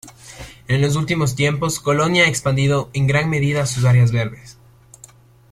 En los últimos tiempos Colonia ha expandido en gran medida sus áreas verdes.